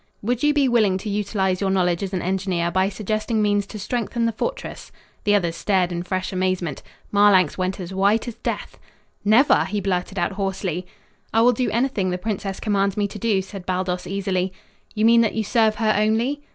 "Would you be willing to utilize your knowledge as an engineer by suggesting means to strengthen the fortress?" The others stared in fresh amazement. Marlanx went as white as death. "Never!" he blurted out hoarsely. "I will do anything the princess commands me to do," said Baldos easily. "You mean that you serve her only?"